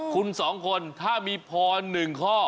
คุณสองคนถ้ามีพอหนึ่งข้อ